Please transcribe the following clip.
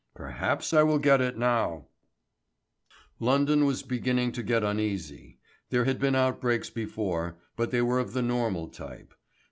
Perhaps I will get it now." London was beginning to get uneasy. There had been outbreaks before, but they were of the normal type.